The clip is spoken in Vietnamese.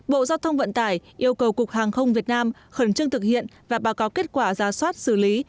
bộ giao thông vận tải yêu cầu cục hàng không việt nam khẩn trương thực hiện và báo cáo kết quả ra soát xử lý